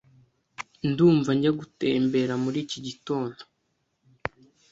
Ndumva njya gutembera muri iki gitondo.